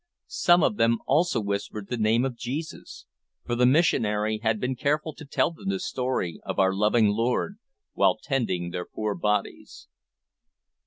Some of them also whispered the name of Jesus, for the missionary had been careful to tell them the story of our loving Lord, while tending their poor bodies.